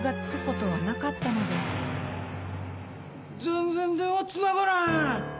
全然電話つながらへん。